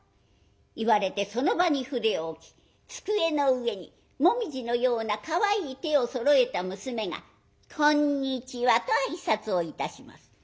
言われてその場に筆を置き机の上に紅葉のようなかわいい手をそろえた娘が「こんにちは」と挨拶をいたします。